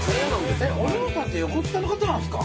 おりょうさんって横須賀の方なんすか？